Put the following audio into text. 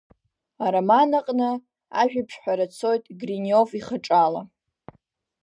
Ароман аҟны ажәабжьҳәара цоит Гриниов ихаҿала.